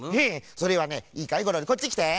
それはねいいかいゴロリこっちきて。